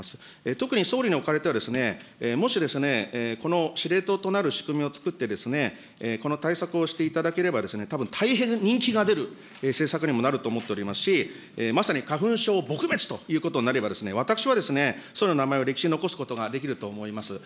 特に総理におかれては、もし、この司令塔となる仕組みを作って、この対策をしていただければ、たぶん大変人気が出る政策にもなると思っておりますし、まさに花粉症撲滅ということになれば、私は総理の名前を歴史に残すことができると思います。